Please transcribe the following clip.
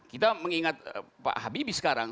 kita mengingat pak habibie sekarang